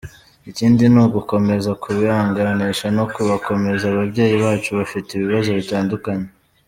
Ikindi ni ugukomeza kubihanganisha no kubakomeza ababyeyi bacu bafite ibibazo bitandukanye.